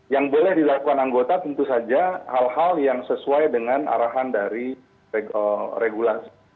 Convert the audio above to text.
yang boleh dilakukan anggota tentu saja hal hal yang sesuai dengan arahan dari regulasi